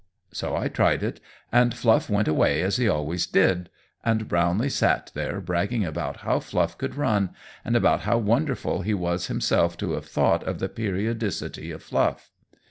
So I tried it, and Fluff went away as he always did; and Brownlee sat there bragging about how Fluff could run, and about how wonderful he was himself to have thought of the periodicity of Fluff.